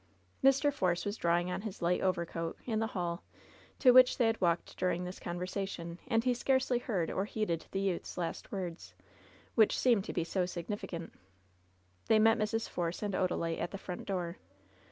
Mr. Force was drawing on his light overcoat in the hall, to which they had walked during this conversation, and he scarcely heard or heeded the youth's last words, which seemed to be so significant. They met Mrs. Force and Odalite at the front door.